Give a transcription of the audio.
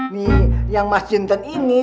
nih yang mas chinton ini